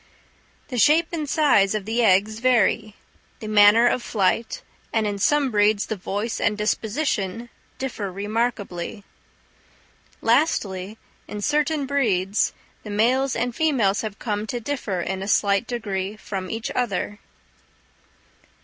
The shape and size of the eggs vary. The manner of flight, and in some breeds the voice and disposition, differ remarkably. Lastly, in certain breeds, the males and females have come to differ in a slight degree from each other.